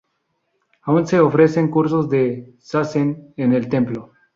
Aún se ofrecen cursos de Zazen en el templo.